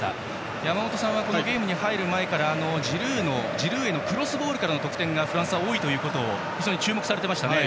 山本さんはゲームに入る前からジルーへのクロスボールからの得点がフランス、多いことを非常に注目されていましたね。